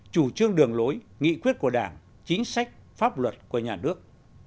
chủ trương đường lối nghị quyết của đảng chính sách pháp luật của nhà nước